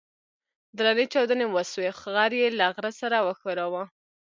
درنې چاودنې وسوې غر يې له غره سره وښوراوه.